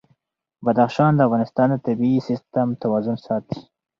بدخشان د افغانستان د طبعي سیسټم توازن ساتي.